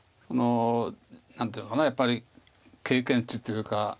何ていうかやっぱり経験値っていうか。